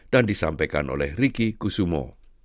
dan disampaikan oleh ricky kusumo